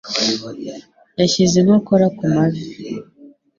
Yashyize inkokora ku mavi.